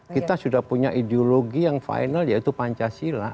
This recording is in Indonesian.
kita sudah punya ideologi yang final yaitu pancasila